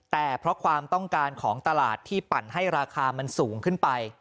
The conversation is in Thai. แต่เพราะความต้องการของตลาดที่ปั่นให้ราคามันสูงขึ้นไป